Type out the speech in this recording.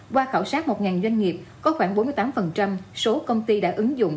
qua khảo sát một doanh nghiệp có khoảng bốn mươi tám số công ty đã ứng dụng